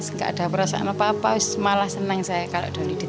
nggak ada perasaan apa apa malah senang saya kalau doli ditutup itu